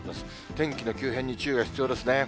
天気の急変に注意が必要ですね。